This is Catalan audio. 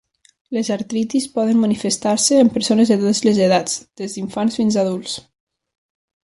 Les artritis poden manifestar-se en persones de totes les edats, des d'infants fins a adults.